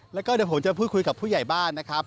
แล้วก็เดี๋ยวผมจะพูดคุยกับผู้ใหญ่บ้านนะครับ